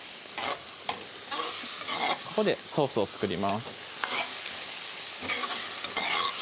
ここでソースを作ります